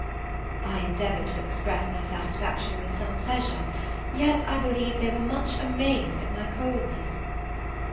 I endeavoured to express my satisfaction with some pleasure; yet, I believe, they were much amazed at my coldness.